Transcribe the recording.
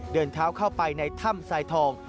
เดินเท้าเข้าไปในถ้ำทรายทอง